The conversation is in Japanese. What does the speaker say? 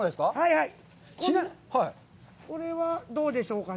これはどうでしょうかね。